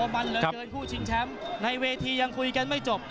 มันเหลือเกินคู่ชิงแชมป์ในเวทียังคุยกันไม่จบ